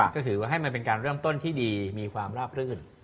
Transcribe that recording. ก็ถือว่าให้มันเป็นการเริ่มต้นที่ดีมีความราบรื่น